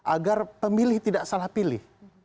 agar pemilih tidak salah pilih